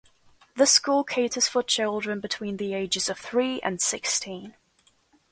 The school caters for children between the ages of three and sixteen.